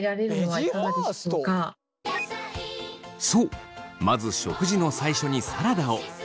そうまず食事の最初にサラダを！